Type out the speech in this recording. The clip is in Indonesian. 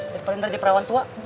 terpender di perawan tua